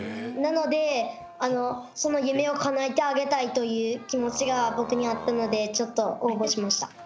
なのでその夢をかなえてあげたいという気持ちが僕にあったのでちょっと応募しました。